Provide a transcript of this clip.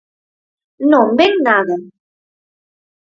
¡Non ven nada!